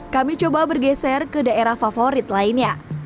kami coba bergeser ke daerah favorit lainnya